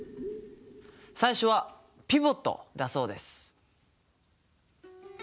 最初は「ピボット」だそうです。